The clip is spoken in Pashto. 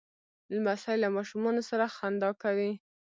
لمسی له ماشومانو سره خندا کوي.